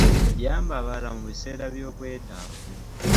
Yamba abalala mu biseera by'obwetaavu.